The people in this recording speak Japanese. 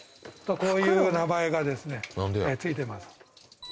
こういう名前がですね付いてます。